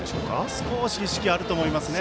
少し意識はあると思います。